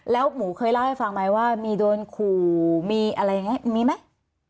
แล้วหมูเคยเล่าให้ฟังไหมว่ามีโดนขู่มีอะไรอย่างนี้มีไหม